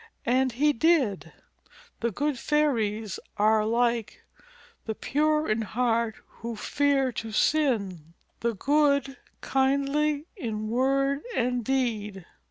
And he did. "The Good Fairies are like The pure in heart who fear to sin, The good, kindly in word and deed."